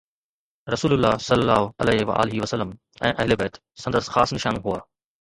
رسول الله صلي الله عليه وآله وسلم ۽ اهل بيت سندس خاص نشانو هئا.